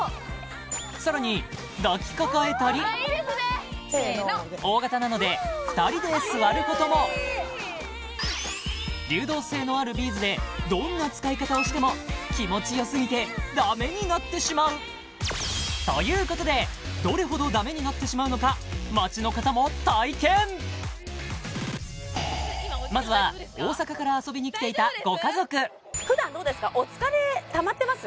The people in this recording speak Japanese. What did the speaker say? さらに抱きかかえたりああいいですねせーの大型なので２人で座ることも流動性のあるビーズでどんな使い方をしても気持ちよすぎてダメになってしまうということでまずは大阪から遊びにきていたご家族普段どうですかお疲れたまってます？